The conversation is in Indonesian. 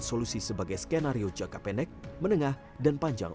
solusi sebagai skenario jangka pendek menengah dan panjang